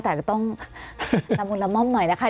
แต่ก็ต้องละมุนละม่อมหน่อยนะคะ